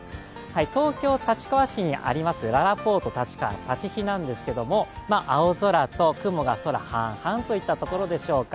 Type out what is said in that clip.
東京・立川市にあるららぽーと立川立飛なんですけれども青空と雲が空、半々といったところでしょうか。